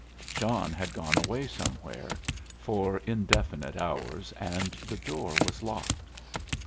John had gone away somewhere for indefinite hours and the door was locked.